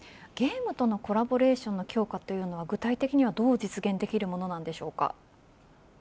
ゲームとのコラボレーションの強化というのは具体的にはどう実現できるものでしょうか。